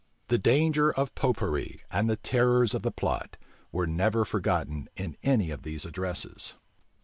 The danger of Popery, and the terrors of the plot, were never forgotten in any of these addresses.